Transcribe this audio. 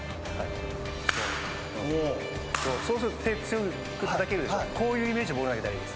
そうすると手強くたたけるでしょ。